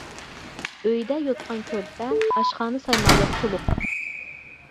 ئۆيدە يوتقان-كۆرپە، ئاشخانا سايمانلىرى تولۇق.